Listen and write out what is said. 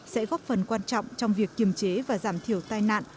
sẽ góp phần quan trọng trong việc kiềm chế và giảm thiểu tai nạn